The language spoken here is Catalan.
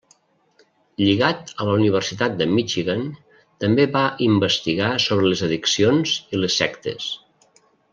Lligat a la Universitat de Michigan, també va investigar sobre les addicions i les sectes.